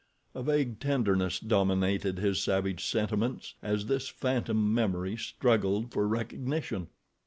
A vague tenderness dominated his savage sentiments as this phantom memory struggled for recognition.